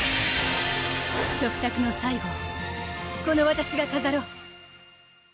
食卓の最後をこのわたしが飾ろう！